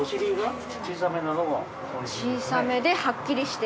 小さめではっきりして。